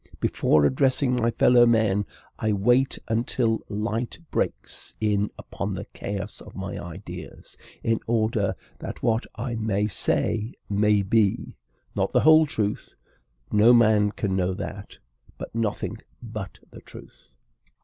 Before addressing my fellow men, I wait until light breaks in upon the chaos of my ideas, in order that what I may say may be, not the whole truth (no man can know that), but nothing but the truth.